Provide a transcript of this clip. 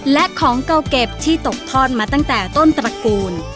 และของเก่าเก็บที่ตกทอดมาตั้งแต่ต้นตระกูล